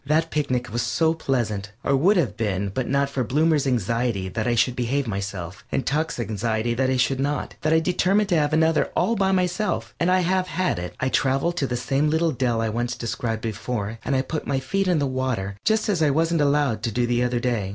That picnic was so pleasant or would have been but for Bloomer's anxiety that I should behave myself, and Tuck's anxiety that I should not that I determined to have another all by myself and I have had it. I traveled to the same little dell I described before, and I put my feet in the water just as I wasn't allowed to do the other day.